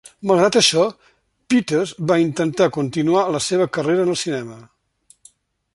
Malgrat això, Peters va intentar continuar la seva carrera en el cinema.